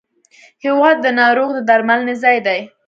هېواد د ناروغ د درملنې ځای دی.